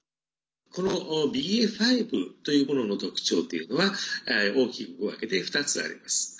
このＢＡ．５というものの特徴というのは大きく分けて２つあります。